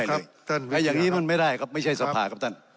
อ๋อแล้วครับท่านวิทยาครับไอ้อย่างนี้มันไม่ได้ครับไม่ใช่สภาครับท่าน